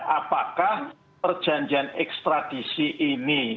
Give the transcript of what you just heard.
apakah perjanjian ekstradisi ini